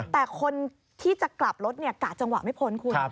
แต่คนที่จะกลับรถกะจังหวะไม่พ้นคุณ